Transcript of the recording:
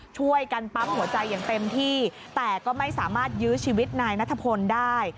ช่วยกันปั๊มหัวใจอย่างเต็มที่แต่ก็ไม่สามารถยื้อชีวิตนายนัทพลได้